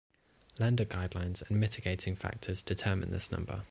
Lender guidelines and mitigating factors determine this number.